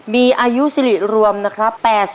มีอายุสิริรวมนะครับ